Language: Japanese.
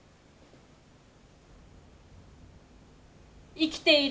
生きている。